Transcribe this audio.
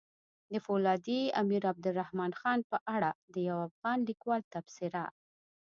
د فولادي امير عبدالرحمن خان په اړه د يو افغان ليکوال تبصره!